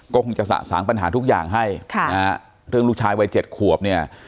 ก็คงจะสะสางปัญหาทุกอย่างให้เรื่องลูกชายวัย๗ขวบเนี่ย